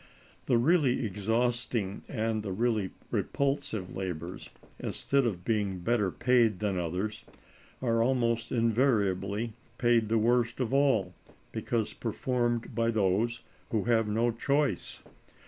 The really exhausting and the really repulsive labors, instead of being better paid than others, are almost invariably paid the worst of all, because performed by those who have no choice.